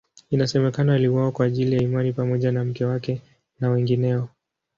Inasemekana aliuawa kwa ajili ya imani pamoja na mke wake na wengineo.